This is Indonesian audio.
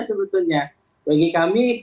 sebetulnya bagi kami